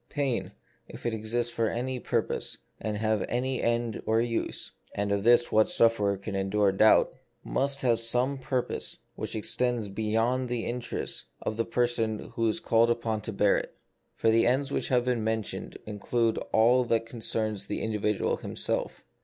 Pain, if it exist for any purpose, and have any end or use — and of this what sufferer can en dure to doubt? — must have some purpose which extends beyond the interests of the person who is called upon to bear it. For The Mystery of Pain. 31 the ends which have been mentioned include all that concerns the individual himself.